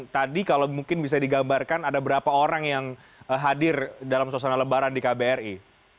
tadi kalau mungkin bisa digambarkan ada berapa orang yang hadir dalam suasana lebaran di kbri